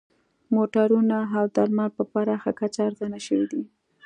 موټرونه او درمل په پراخه کچه ارزانه شوي دي